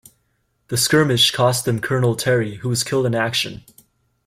The skirmish cost them Colonel Terry, who was killed in action.